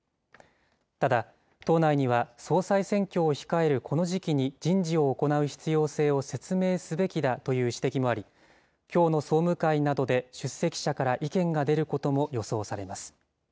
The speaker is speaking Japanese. ただ、党内には総裁選挙を控えるこの時期に人事を行う必要性を説明すべきだという指摘もあり、きょうの総務会などで出席者から意見が出ることも予想されます。